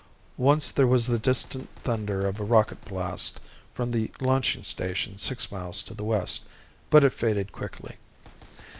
Once there was the distant thunder of a rocket blast from the launching station six miles to the west, but it faded quickly.